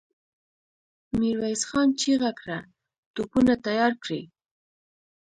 ميرويس خان چيغه کړه! توپونه تيار کړئ!